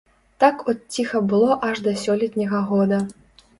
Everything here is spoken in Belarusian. Так от ціха было аж да сёлетняга года.